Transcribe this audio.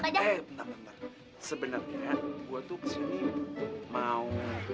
sebenarnya gue tuh kesini mau